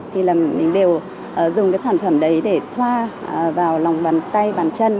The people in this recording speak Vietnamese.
thì là mình đều dùng cái sản phẩm đấy để thoa vào lòng bàn tay bàn chân